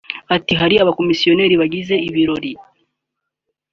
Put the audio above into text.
Ati “Hari abakomisiyoneri bigize ibiraro